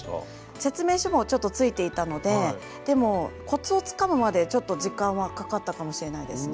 説明書もちょっと付いていたのででもコツをつかむまでちょっと時間はかかったかもしれないですね。